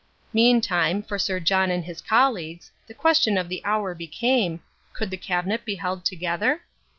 Meantime, for Sir John and his colleagues, the question of the hour became, "Could the Cabinet be held together?"